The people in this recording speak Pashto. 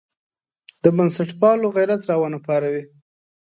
د بنسټپالو غیرت راونه پاروي.